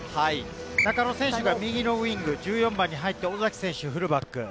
中野選手が右のウイングに入って尾崎選手がフルバック。